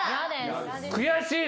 悔しい。